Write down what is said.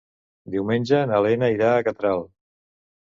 Diumenge na Lena irà a Catral.